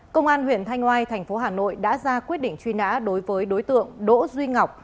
công an tp hcm đã ra quyết định truy nã đối với đối tượng đỗ duy ngọc